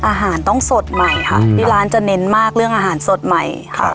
อาหารต้องสดใหม่ค่ะที่ร้านจะเน้นมากเรื่องอาหารสดใหม่ค่ะ